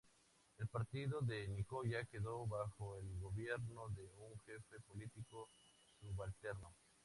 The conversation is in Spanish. El Partido de Nicoya quedó bajo el gobierno de un Jefe Político Subalterno.